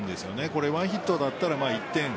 これはヒットだったら１点。